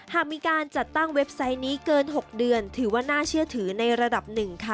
หากมีการจัดตั้งเว็บไซต์นี้เกิน๖เดือนถือว่าน่าเชื่อถือในระดับหนึ่งค่ะ